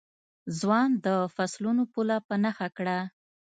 ځوان د فصلونو پوله په نښه کړه.